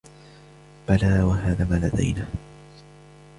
بلی و هذا ما لدینا.